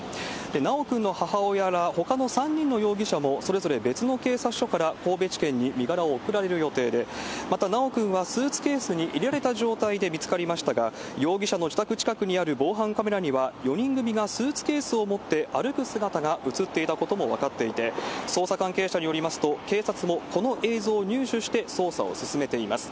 修くんの母親ら、ほかの３人の容疑者も、それぞれ別の警察署から神戸地検に身柄を送られる予定で、また、修くんはスーツケースに入れられた状態で見つかりましたが、容疑者の自宅近くにある防犯カメラには、４人組がスーツケースを持って歩く姿が映っていたことも分かっていて、捜査関係者によりますと、警察もこの映像を入手して捜査を進めています。